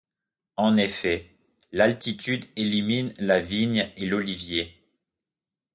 En effet, l'altitude élimine la vigne et l'olivier.